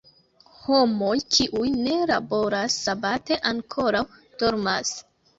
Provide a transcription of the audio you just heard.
Homoj, kiuj ne laboras sabate ankoraŭ dormas.